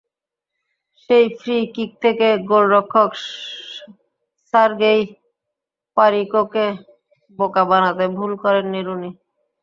সেই ফ্রি-কিক থেকে গোলরক্ষক সার্গেই পারিকোকে বোকা বানাতে ভুল করেননি রুনি।